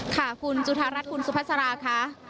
คุณจุธารัฐคุณสุภัสราค่ะ